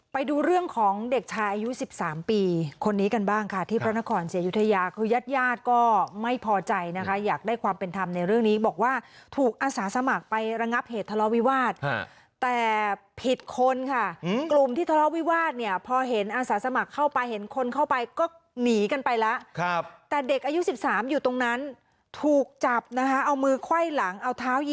ไปดูเรื่องของเด็กชายอายุ๑๓ปีคนนี้กันบ้างค่ะที่พระนครศรีอยุธยาคือญาติญาติก็ไม่พอใจนะคะอยากได้ความเป็นธรรมในเรื่องนี้บอกว่าถูกอาสาสมัครไประงับเหตุทะเลาวิวาสแต่ผิดคนค่ะกลุ่มที่ทะเลาะวิวาสเนี่ยพอเห็นอาสาสมัครเข้าไปเห็นคนเข้าไปก็หนีกันไปแล้วครับแต่เด็กอายุ๑๓อยู่ตรงนั้นถูกจับนะคะเอามือไขว้หลังเอาท